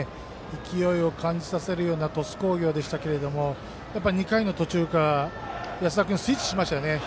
勢いを感じさせるような鳥栖工業でしたけれども２回の途中から安田君にスイッチしましたよね。